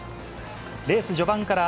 レース序盤から、